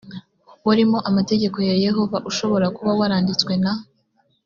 warimo amategeko ya yehova ushobora kuba waranditswe na